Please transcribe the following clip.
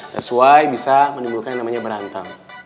that's why bisa menimbulkan yang namanya berantem